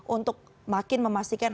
untuk makin memastikan